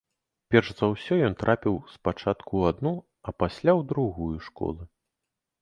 Перш за ўсё ён трапіў спачатку ў адну, а пасля ў другую школы.